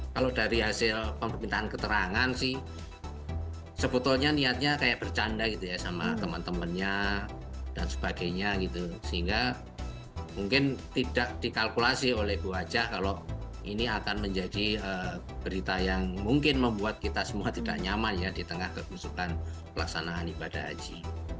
kalau dari hasil pemerintahan keterangan sih sebetulnya niatnya kayak bercanda gitu ya sama teman temannya dan sebagainya gitu sehingga mungkin tidak dikalkulasi oleh bu aja kalau ini akan menjadi berita yang mungkin membuat kita semua tidak nyaman ya di tengah kebusukan pelaksanaan ibadah haji